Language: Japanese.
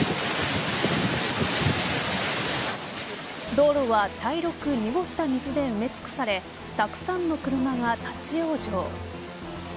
道路は茶色く濁った水で埋め尽くされたくさんの車が立ち往生。